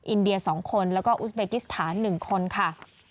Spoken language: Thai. อินเดียสองคนแล้วก็อุสเบกิสถานหนึ่งคนค่ะ